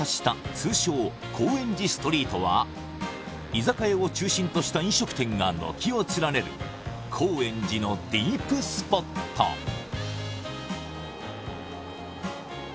通称高円寺ストリートは居酒屋を中心とした飲食店が軒を連ねる高円寺のディープスポットああ